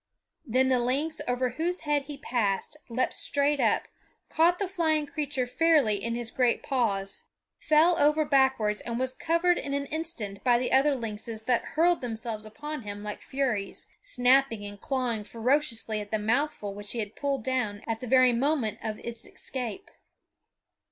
Then the lynx over whose head he passed leaped straight up, caught the flying creature fairly in his great paws, fell over backwards, and was covered in an instant by the other lynxes that hurled themselves upon him like furies, snapping and clawing ferociously at the mouthful which he had pulled down at the very moment of its escape.